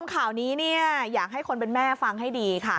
ข่าวนี้เนี่ยอยากให้คนเป็นแม่ฟังให้ดีค่ะ